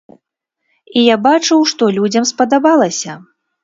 І я бачыў, што людзям спадабалася.